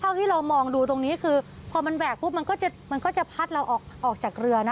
ตกมันจะไม่ได้ถูกดูดเข้าไปใต้ท้องเรือนะ